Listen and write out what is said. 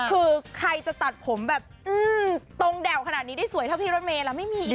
คือใครจะตัดผมแบบตรงแด่วขนาดนี้ได้สวยเท่าพี่รถเมย์แล้วไม่มีอีก